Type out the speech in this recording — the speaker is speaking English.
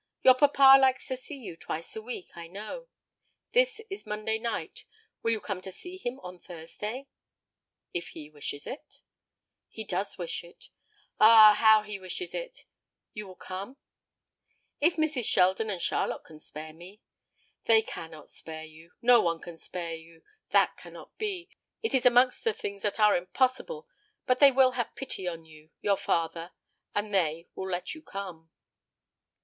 Your papa likes to see you twice a week, I know. This is Monday night; will you come to see him on Thursday?" "If he wishes it." "He does wish it. Ah, how he wishes it! You will come?" "If Mrs. Sheldon and Charlotte can spare me." "They cannot spare you. No one can spare you. That cannot be. It is amongst the things that are impossible. But they will have pity upon your father, and they will let you come."